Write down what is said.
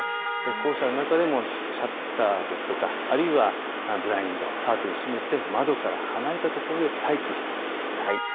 校舎の中でもシャッターですとかあるいはブラインド、カーテンを閉めて窓から離れた所で待機してください。